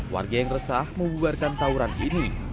warga yang resah membuarkan tawuran ini